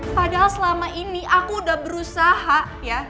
padahal selama ini aku udah berusaha ya